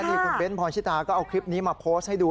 นี่คุณเบ้นพรชิตาก็เอาคลิปนี้มาโพสต์ให้ดู